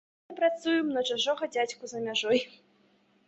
Мы працуем на чужога дзядзьку за мяжой.